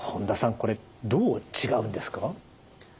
これどう違うんですか？